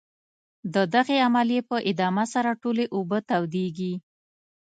د دغې عملیې په ادامې سره ټولې اوبه تودیږي.